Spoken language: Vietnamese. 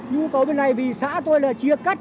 nhu cầu bên này vì xã tôi là chia cắt